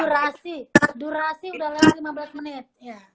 durasi durasi udah lewat lima belas menit